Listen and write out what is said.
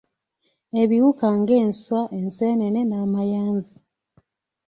Ebiwuka nga enswa, enseenene n’amayanzi